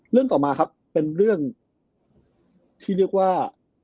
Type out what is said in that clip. ต่อมาครับเป็นเรื่องที่เรียกว่า